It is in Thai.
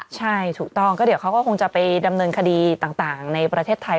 ใช่ถูกต้องก็เดี๋ยวเขาก็คงจะไปดำเนินคดีต่างในประเทศไทย